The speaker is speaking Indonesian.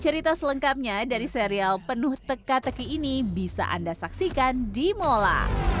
cerita selengkapnya dari serial penuh teka teki ini bisa anda saksikan di mola